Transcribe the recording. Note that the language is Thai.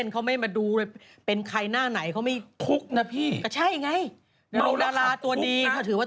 ก็เหมือนก็น่าจะอืม